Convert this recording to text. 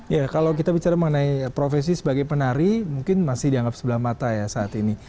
ya kalau kita bicara mengenai profesi sebagai penari mungkin masih dianggap sebelah mata ya saat ini